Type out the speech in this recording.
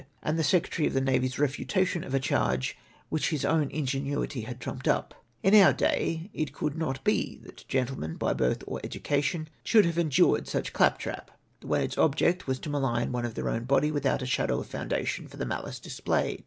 and the Secretary of the Navy's refutation of a charge ivhich his own ingenuity had trumjied up ! In our day it could not be that gentlemen by birth or education should have endured such claptrap, when its object was to malign one of their own body without a shadow of foundation for the malice displayed.